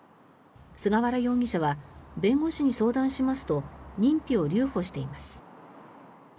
菅原容疑者は弁護士に相談しますと認否を留保しています。